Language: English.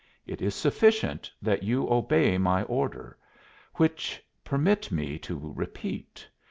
It is sufficient that you obey my order which permit me to repeat.